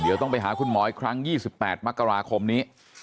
เดี๋ยวต้องไปหาคุณหมออีกครั้ง๒๘มกราคมนี้